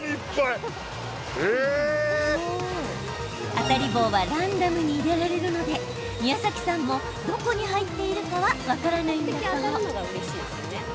当り棒はランダムに入れられるので宮崎さんもどこに入っているかは分からないんだそう。